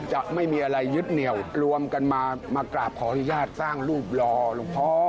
จะไม่มีอะไรยึดเหนียวรวมกันมากราบขออนุญาตสร้างรูปรอหลวงพ่อ